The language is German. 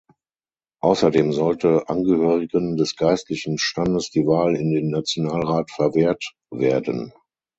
Ausserdem sollte Angehörigen des geistlichen Standes die Wahl in den Nationalrat verwehrt werden.